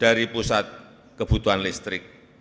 dari pusat kebutuhan listrik